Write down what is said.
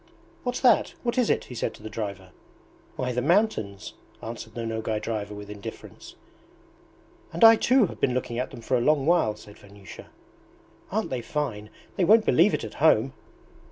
"What's that! What is it?" he said to the driver. "Why, the mountains," answered the Nogay driver with indifference. "And I too have been looking at them for a long while," said Vanyusha. "Aren't they fine? They won't believe it at home."